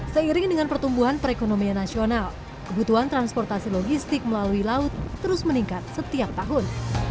seiring dengan pertumbuhan perekonomian nasional kebutuhan transportasi logistik melalui laut terus meningkat setiap tahun